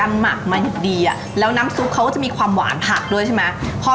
อันนี้คือซุกกี้ไก่น้ำนะครับ